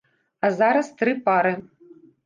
А зараз тры пары.